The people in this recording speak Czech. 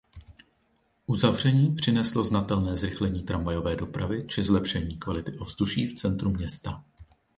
Uzavření přineslo znatelné zrychlení tramvajové dopravy či zlepšení kvality ovzduší v centru města.